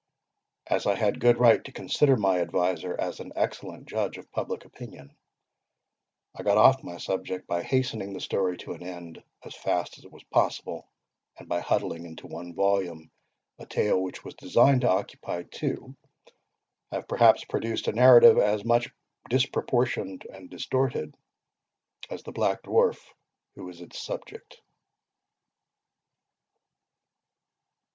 As I had good right to consider my adviser as an excellent judge of public opinion, I got off my subject by hastening the story to an end, as fast as it was possible; and, by huddling into one volume, a tale which was designed to occupy two, have perhaps produced a narrative as much disproportioned and distorted, as the Black Dwarf who is its subject.